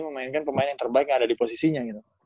memainkan pemain yang terbaik gak ada di posisinya